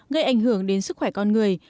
gây ảnh hưởng đến sức khỏe con người